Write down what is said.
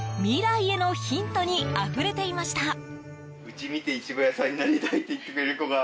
未来へのヒントにあふれていました。